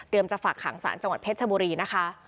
เริ่มจะฝากหางศาลจังหวัดเพชรชมบุรีนะคะ